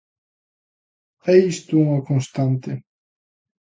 E isto é unha constante.